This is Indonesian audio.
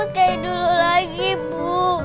aku takut kaya dulu lagi bu